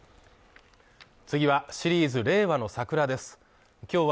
次は、シリーズ「令和のサクラ」です。